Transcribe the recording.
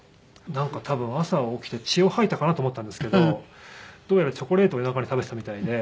なんか多分朝起きて血を吐いたかなと思ったんですけどどうやらチョコレートを夜中に食べてたみたいで。